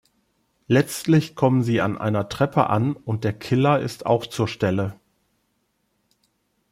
Letztlich kommen sie an einer Treppe an und der Killer ist auch zur Stelle.